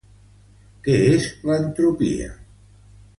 Què és l'entropia?